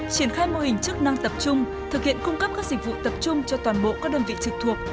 triển khai mô hình chức năng tập trung thực hiện cung cấp các dịch vụ tập trung cho toàn bộ các đơn vị trực thuộc